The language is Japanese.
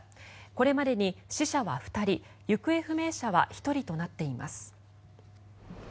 これまでに死者は２人行方不明者は１人となっています。